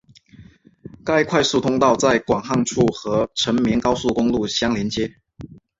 该快速通道在广汉处和成绵高速公路相连接。